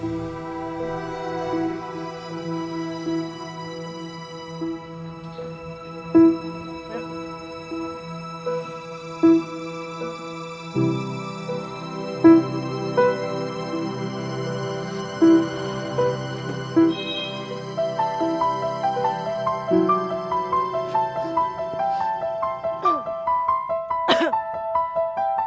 tidak aku mau pergi